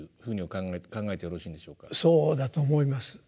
そうだと思います。